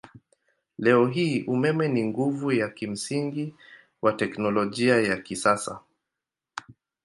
Leo hii umeme ni nguvu ya kimsingi wa teknolojia ya kisasa.